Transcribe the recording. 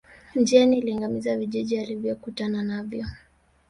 Njiani aliangamiza vijiji alivyokutana navyo